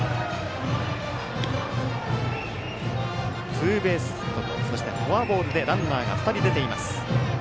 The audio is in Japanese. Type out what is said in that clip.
ツーベースヒットとそしてフォアボールでランナーが２人出ています。